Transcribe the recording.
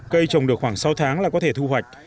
cây trồng được khoảng sáu tháng là có thể thu hoạch